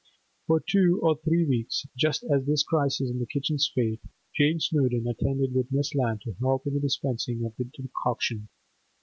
For two or three weeks, just at this crisis in the kitchen's fate, Jane Snowdon attended with Miss Lant to help in the dispensing of the decoction.